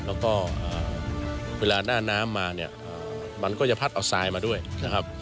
แล้วก็เวลาหน้าน้ำมาเนี่ยมันก็จะพัดเอาทรายมาด้วยนะครับ